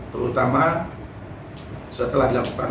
terutama setelah dilakukan